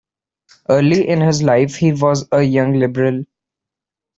Early in his life, he was a Young Liberal.